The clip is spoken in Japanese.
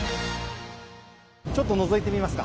ちょっとのぞいてみますか？